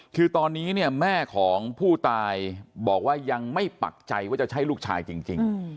คือตอนนี้เนี่ยแม่ของผู้ตายบอกว่ายังไม่ปักใจว่าจะใช่ลูกชายจริง